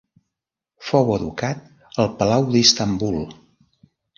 Fou educat al palau d'Istanbul.